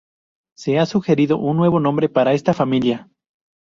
Se ha sugerido un nuevo nombre para esta familia.